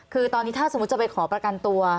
คือตอนนี้ถ้าสมมุติจะไปขอประกันตัว